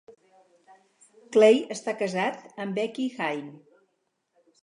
Clay està casat amb Becki Hine.